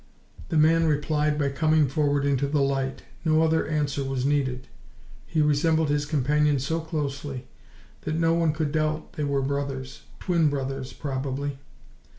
The man replied by coming forward into the light: no other answer was needed. He resembled his companion so closely that no one could doubt they were brothers twin brothers, probably.